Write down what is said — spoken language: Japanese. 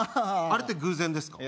あれって偶然ですか？